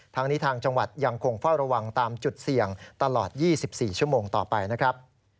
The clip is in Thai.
ทางนี้ทางจังหวัดยังคงเฝ้าระวังตามจุดเสี่ยงตลอด๒๔ชั่วโมงต่อไปนะครับ